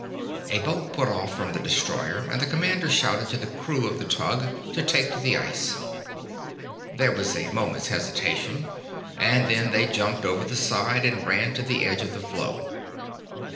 A boat put off from the destroyer, and the commander shouted to the crew of the tug to take to the ice. There was a moment's hesitation, and then they jumped over the side and ran to the edge of the floe.